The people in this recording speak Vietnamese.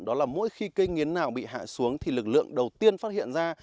đó là mỗi khi cây nghiến nào bị hạ xuống thì lực lượng đầu tiên phát hiện ra